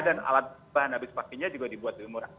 dan alat bahan habis pakenya juga dibuat lebih murah